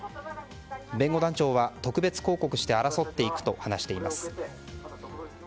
弁護団長は特別抗告して争っていくと話しています。